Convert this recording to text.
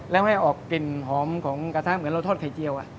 แล้วไม่ออกกลิ่นหอมของกระทะเหมือนเราทอดไข่เจียว